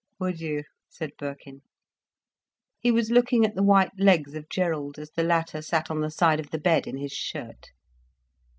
"Would you?" said Birkin. He was looking at the white legs of Gerald, as the latter sat on the side of the bed in his shirt.